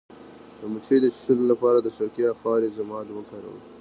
د مچۍ د چیچلو لپاره د سرکې او خاورې ضماد وکاروئ